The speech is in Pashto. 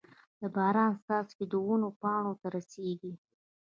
د باران څاڅکي د ونو پاڼو ته رسيږي.